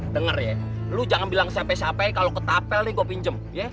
dengar ya lo jangan bilang siapa siapanya kalau ketapel nih gue pinjem